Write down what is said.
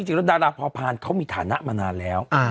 จริงว่าดาราพอพานเขามีฐานะมานานแล้ว